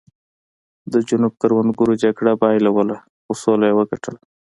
د جنوب کروندګرو جګړه بایلوله خو سوله یې وګټله.